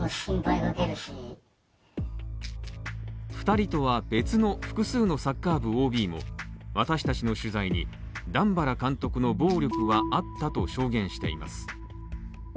２人とは別の複数のサッカー部ＯＢも私たちの取材に段原監督の暴力はあったと証言しています。